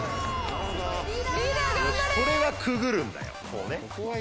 よしこれはくぐるんだよこうね。